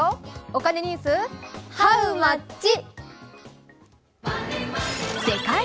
お金ニュース、ハウマッチ。